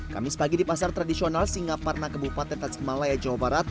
kamis pagi di pasar tradisional singaparna kebupaten tasikmalaya jawa barat